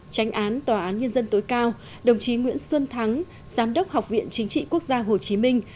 tránh án tòa án nhân dân tối cao đồng chí nguyễn xuân thắng giám đốc học viện chính trị quốc gia hồ chí minh